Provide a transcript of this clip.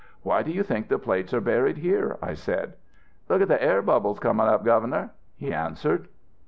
"Why do you think the plates are buried here?' I said. "'Look at the air bubbles comin' up, Governor,' he answered."